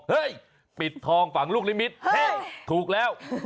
เฮ้ยปิดทองฝังลูกลิมิตเฮ้ยถูกแล้ว